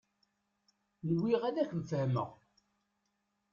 Nwiɣ ad k-fehmeɣ.